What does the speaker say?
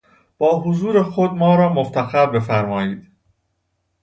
با حضور خود ما را مفتخر بفرمایید.